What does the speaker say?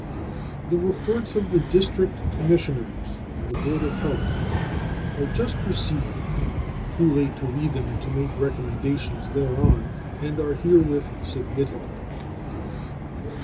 The reports of the District Commissioners and the board of health are just received too late to read them and to make recommendations thereon and are herewith submitted.